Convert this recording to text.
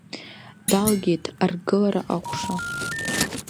Далгеит аргылара аҟәша.